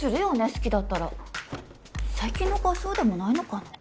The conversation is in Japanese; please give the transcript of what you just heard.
好きだったら最近の子はそうでもないのかな？